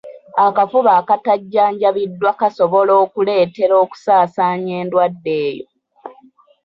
Akafuba akatajjanjabiddwa kasobola okukuleetera okusaasaanya endwadde eyo.